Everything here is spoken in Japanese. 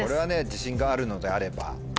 自信があるのであれば。